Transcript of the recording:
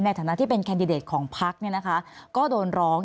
ในฐานะที่เป็นแคนดิเดตของพักก็โดนร้อง